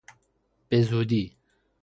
بزودی